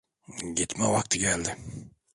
Gitme vakti geldi.